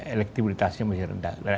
elektriktibilitasnya masih rendah